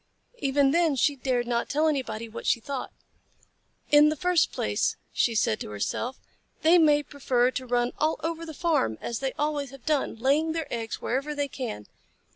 Even then she dared not tell anybody what she thought. "In the first place," she said to herself, "they may prefer to run all over the farm, as they always have done, laying their eggs wherever they can.